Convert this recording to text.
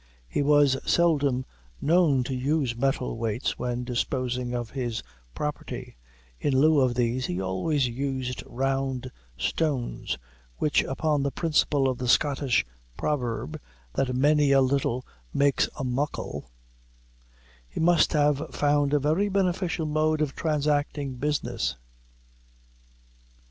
He was seldom known to use metal weights when disposing of his property; in lieu of these he always used round stones, which, upon the principle of the Scottish proverb, that "many a little makes a muckle," he must have found a very beneficial mode of transacting business.